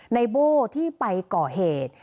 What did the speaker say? ในโบกที่ไปเกราะเหตุ